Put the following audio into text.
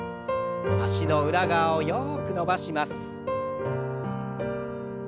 脚の裏側をよく伸ばします。